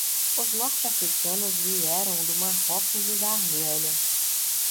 Os norte-africanos vieram do Marrocos e da Argélia.